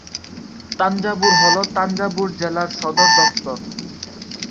তাঞ্জাবুর হল তাঞ্জাবুর জেলার সদর দফতর।